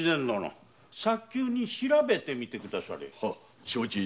早急に調べてみてくだされ。